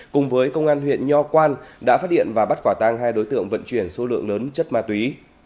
cùng với công an huyện nho quan đã phát hiện và bắt quả tang hai đối tượng vận chuyển số lượng lớn chất ma túy